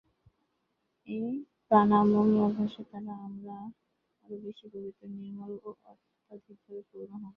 এই প্রাণায়াম-অভ্যাসের দ্বারা আমরা আরও বেশী পবিত্র, নির্মল ও আধ্যাত্মিকভাবে পূর্ণ হবো।